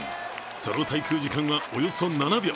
その滞空時間はおよそ７秒。